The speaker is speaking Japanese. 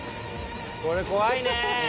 これ怖いね！